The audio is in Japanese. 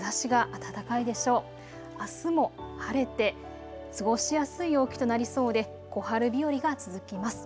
あすも晴れて過ごしやすい陽気となりそうで小春日和が続きます。